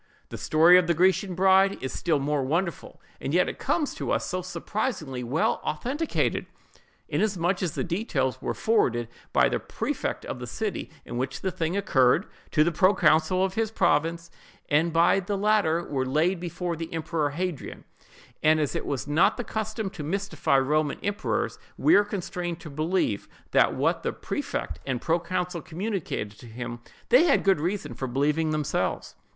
The story of the Grecian bride is still more wonderful, and yet it comes to us so surprisingly well authenticated, inasmuch as the details were forwarded by the prefect of the city in which the thing occurred, to the proconsul of his province, and by the latter were laid before the emperor Hadrian—and as it was not the custom to mystify Roman emperors—we are constrained to believe that what the prefect and proconsul communicated to him, they had good reason for believing themselves.